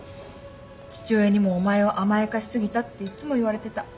父親にも「お前を甘やかし過ぎた」っていつも言われてた。